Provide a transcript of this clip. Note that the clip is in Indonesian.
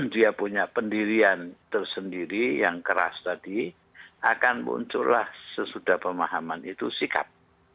dia punya pendirian tersendiri yang keras tadi akan muncullah sesudah pemahaman itu sikap